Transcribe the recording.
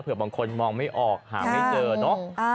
บางคนมองไม่ออกหาไม่เจอเนอะ